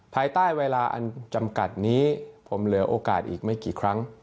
ภายใต้เวลาอันจำกัดนี้ผมเหลือโอกาสอีกไม่กี่ครั้ง